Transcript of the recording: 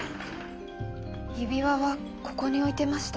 指輪はここに置いてました。